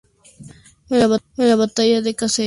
En la batalla de Caseros fue nombrado coronel mayor.